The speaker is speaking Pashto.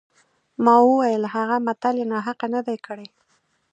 ما وویل هغه متل یې ناحقه نه دی کړی.